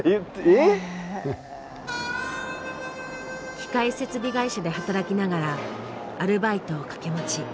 機械設備会社で働きながらアルバイトを掛け持ち。